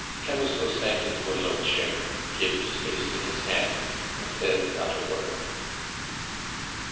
Camusot sank into a low chair, hid his face in his hands, and said not a word.